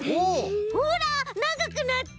ほらながくなった！